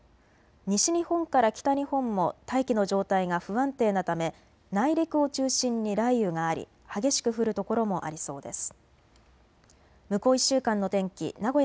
西日本から北日本も大気の状態が不安定なため内陸を中心に雷雨があり激しく降る所もありそうです。